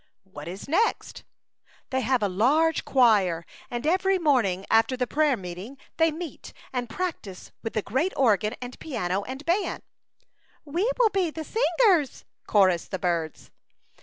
"What is next?" "They have a large choir, and every morning after the prayer meeting they meet and practise with the great organ and piano and band." 36 A Chautauqua Idyl. "We will be the singers," chorused the birds.